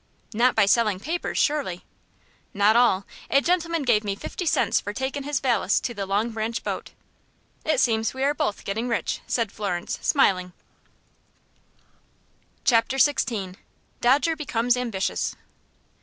"Not by selling papers, surely?" "Not all. A gentleman gave me fifty cents for takin' his valise to the Long Branch boat." "It seems we are both getting rich," said Florence, smiling. Chapter XVI. Dodger Becomes Ambitious.